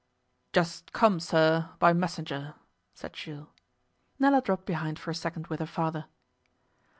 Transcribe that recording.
'Just come, sir, by messenger,' said Jules. Nella dropped behind for a second with her father.